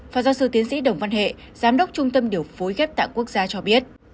phó giáo sư tiến sĩ đồng văn hệ giám đốc trung tâm điều phối ghép tạng quốc gia cho biết